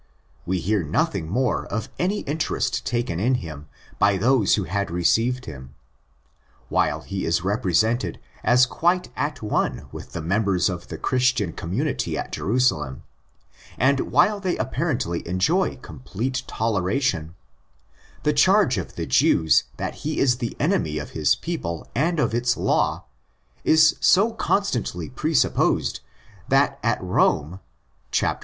We hear nothing more of any interest taken in him by those who had received him. While he is represented as quite at one with the members of the Christian community at Jerusalem, and while they apparently enjoy complete toleration, the charge of the Jews that he is the enemy of his people and of its law is so constantly presupposed that at Rome (xxvii.